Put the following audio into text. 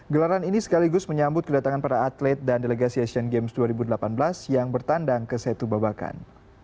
gelaran ini sekaligus menyambut kedatangan para atlet dan delegasi asian games dua ribu delapan belas yang bertandang ke setu babakan